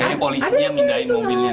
kayaknya polisi yang mindahin mobilnya